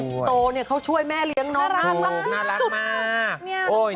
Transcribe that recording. คนโตเขาช่วยแม่เลี้ยงน้องน่ารักสุด